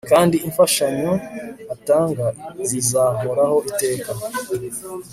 kandi imfashanyo atanga zizahoraho iteka